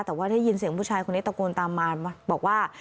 แต่ว่าได้ยินเสียงผู้ชายคนนี้ตะโกนตามมาบอกว่า